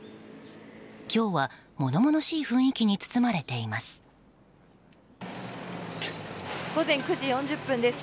今日は物々しい雰囲気に包まれています。